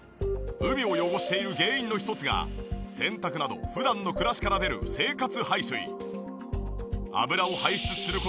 海を汚している原因の一つが洗濯など普段の暮らしから出る生活排水。